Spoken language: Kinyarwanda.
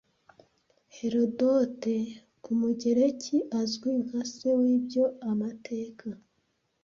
Herodote Umugereki azwi nka se w'ibyo Amateka